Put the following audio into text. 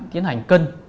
tiến hành cân